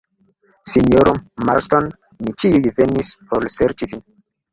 Sinjoro Marston, ni ĉiuj venis por serĉi vin.